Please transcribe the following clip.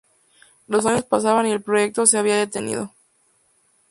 Los años pasaban y el proyecto se había detenido.